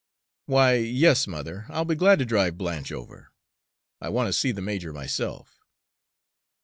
"Why, yes, mother, I'll be glad to drive Blanche over. I want to see the major myself."